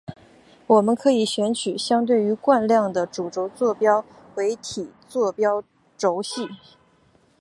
我们可以选取相对于惯量的主轴坐标为体坐标轴系。